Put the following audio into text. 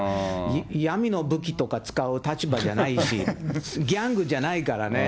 闇の武器とか使う立場じゃないし、ギャングじゃないからね。